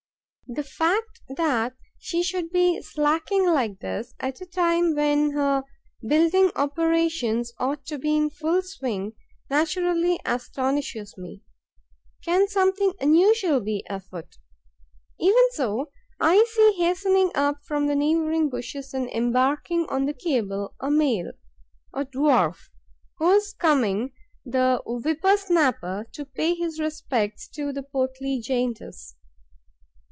The fact that she should be slacking like this, at a time when her building operations ought to be in full swing, naturally astonishes me. Can something unusual be afoot? Even so. I see hastening up from the neighbouring bushes and embarking on the cable a male, a dwarf, who is coming, the whipper snapper, to pay his respects to the portly giantess.